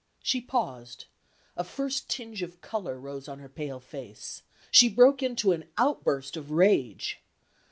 She paused; a first tinge of color rose on her pale face; she broke into an outburst of rage.